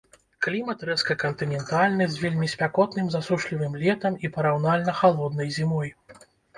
Клімат рэзка-кантынентальны з вельмі спякотным засушлівым летам і параўнальна халоднай зімой.